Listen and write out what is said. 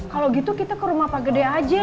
kalau gitu kita ke rumah pak gede aja